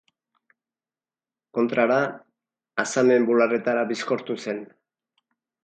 Kontrara, hazamen bularretara bizkortu zen.